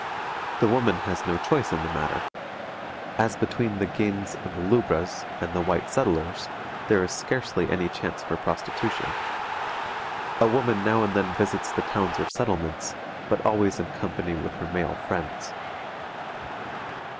The woman has no choice in the matter. As between the "gins" and "lubbras" and the white settlers, there is scarcely any chance for prostitution. A woman now and then visits the towns or settlements, but always in company with her male friends.